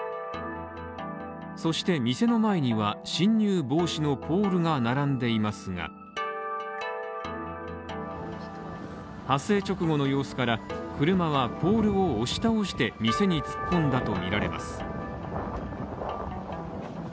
そして店の前には、侵入防止のポールが並んでいますが、発生直後の様子から、車はポールを押し倒して店に突っ込んだとみられます。